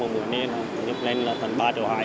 một lô lên là hơn ba hai triệu